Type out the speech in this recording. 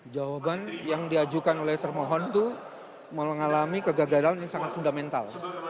jawaban yang diajukan oleh termohon itu mengalami kegagalan yang sangat fundamental